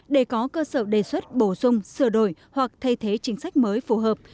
để có cơ sở đề xuất bổ sung sửa đổi hoặc thay thế chính sách mới phù hợp